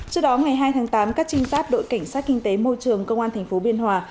trước đó ngày hai tháng tám các trinh sát đội cảnh sát kinh tế môi trường công an tp biên hòa